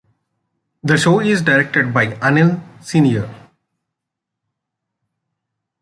The show is directed by Anil Senior.